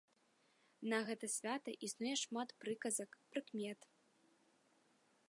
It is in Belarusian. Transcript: На гэта свята існуе шмат прыказак, прыкмет.